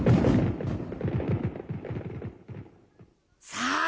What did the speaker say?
さあ